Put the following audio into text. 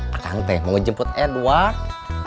akang teh mau jemput edward